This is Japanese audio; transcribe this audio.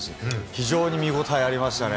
非常に見応えありましたね。